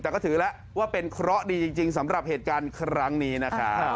แต่ก็ถือแล้วว่าเป็นเคราะห์ดีจริงสำหรับเหตุการณ์ครั้งนี้นะครับ